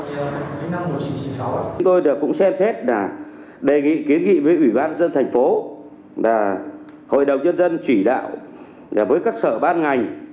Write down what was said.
chúng tôi cũng xem xét đề nghị kiến nghị với ủy ban dân thành phố hội đồng dân dân chỉ đạo với các sở ban ngành